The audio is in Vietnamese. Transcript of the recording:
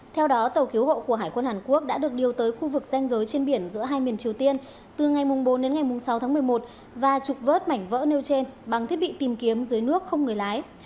theo đó tàu cứu hộ của hải quân hàn quốc đã được điều tới khu vực danh giới trên biển giữa hai miền triều tiên từ ngày bốn đến ngày sáu tháng một mươi một và trục vớt mảnh vỡ nêu trên bằng thiết bị tìm kiếm dưới nước không người lái